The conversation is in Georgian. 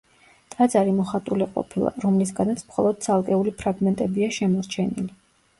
ტაძარი მოხატული ყოფილა, რომლისგანაც მხოლოდ ცალკეული ფრაგმენტებია შემორჩენილი.